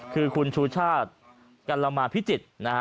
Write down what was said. คือคุณชูชาติกัลละมาพิจิตรนะฮะ